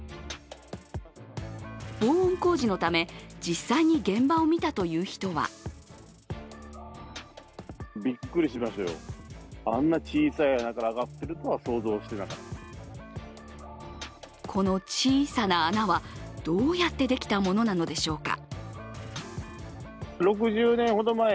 防音工事のため実際に現場を見たという人はこの小さな穴はどうやってできたものなのでしょうか。